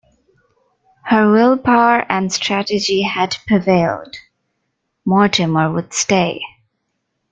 Her will-power and strategy had prevailed; Mortimer would stay.